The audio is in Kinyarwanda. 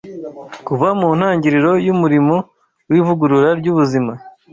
Kuva ku ntangiriro y’umurimo w’ivugurura ry’ubuzima